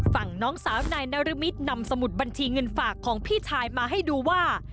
น้องสาวนายนรมิตนำสมุดบัญชีเงินฝากของพี่ชายมาให้ดูว่า